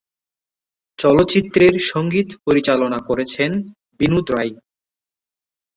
চলচ্চিত্রের সঙ্গীত পরিচালনা করেছেন বিনোদ রায়।